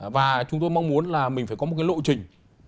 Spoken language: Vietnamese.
và chúng tôi mong muốn là mình phải có một cái lộ trình